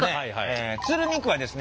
鶴見区はですね